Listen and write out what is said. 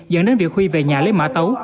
dẫn đến việc huy về nhà lấy mã tấu